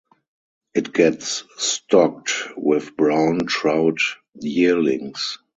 It gets stocked with brown trout yearlings.